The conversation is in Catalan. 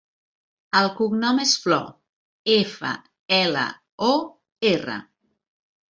El cognom és Flor: efa, ela, o, erra.